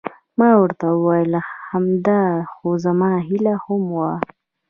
ما ورته وویل: همدا خو زما هیله هم وه.